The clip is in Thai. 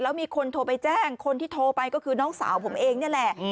แล้วมีคนโทรไปแจ้งคนที่โทรไปก็คือน้องสาวผมเองนี่แหละ